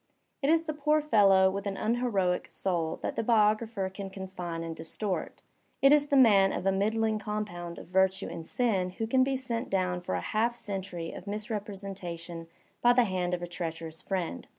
It is the poor fellow with an un heroic soul that the biographer can confine and distort. It is the man of a middling compound of virtue and sin who can be sent down for a half century of misrepresentation by the hand of a treacherous friend.